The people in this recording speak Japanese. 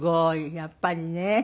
やっぱりね。